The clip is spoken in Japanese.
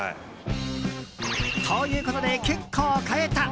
ということで結構買えた。